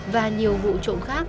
và nhiều vụ trộm khác